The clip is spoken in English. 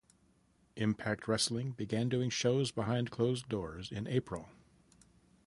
Impact Wrestling began doing shows behind closed doors in April.